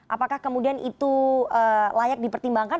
apakah kemudian itu layak dipertimbangkan